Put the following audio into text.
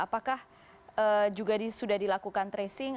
apakah juga sudah dilakukan tracing